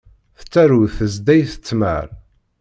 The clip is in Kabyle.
Tettarew tezdayt ttmeṛ.